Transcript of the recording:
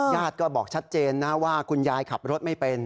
ญาติก็บอกชัดเจนนะว่าคุณยายขับรถไม่เป็น